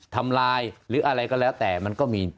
ทำลายหรืออะไรก็แล้วแต่มันก็มี